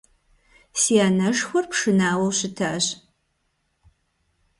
Си анэшхуэр пшынауэу щытащ.